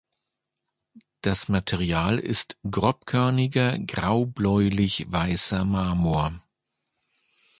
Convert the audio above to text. Das Material ist grobkörniger, graubläulich-weißer Marmor.